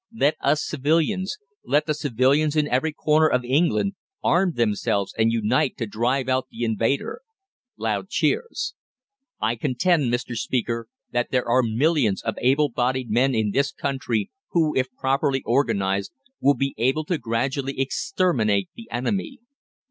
Let us civilians let the civilians in every corner of England arm themselves and unite to drive out the invader! (Loud cheers.) I contend, Mr. Speaker, that there are millions of able bodied men in this country who, if properly organised, will be able to gradually exterminate the enemy.